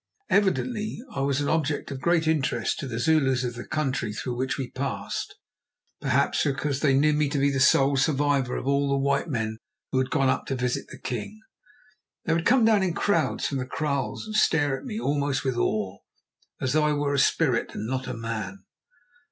Evidently I was an object of great interest to the Zulus of the country through which we passed, perhaps because they knew me to be the sole survivor of all the white men who had gone up to visit the king. They would come down in crowds from the kraals and stare at me almost with awe, as though I were a spirit and not a man.